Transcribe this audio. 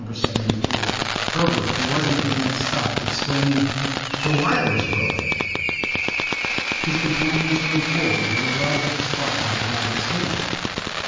74, Herbert, who was in advance stopped, exclaiming, "The wire is broken!" His companions hurried forward and arrived at the spot where the lad was standing.